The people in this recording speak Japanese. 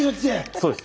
そうです。